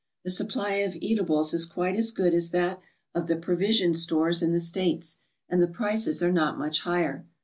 The supply of eatables is quite as good as that of the provision stores in the States, and the prices are not much higher.